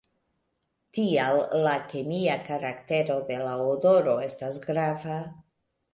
Tial la kemia karaktero de la odoro estas grava.